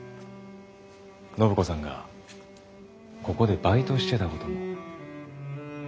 暢子さんがここでバイトをしてたことも。